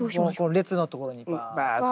列のところにバーッと。